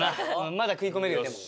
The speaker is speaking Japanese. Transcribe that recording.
まだ食い込めるよでも。